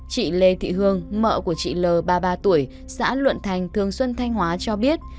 chị lê thị hương vợ của chị l ba mươi ba tuổi xã luận thành thường xuân thanh hóa cho biết